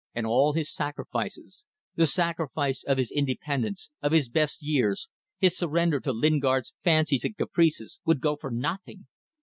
And all his sacrifices, the sacrifice of his independence, of his best years, his surrender to Lingard's fancies and caprices, would go for nothing!